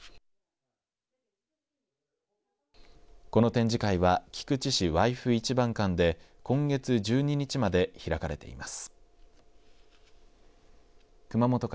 この展示会は菊池市わいふ一番館で今月１２日まで開かれています。